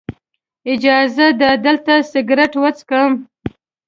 اجازه ده دلته سګرټ وڅکم.